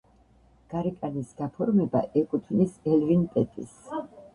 გარეკანის გაფორმება ეკუთვნის ელვინ პეტის.